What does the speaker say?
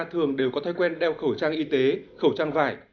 thường đều có thói quen đeo khẩu trang y tế khẩu trang vải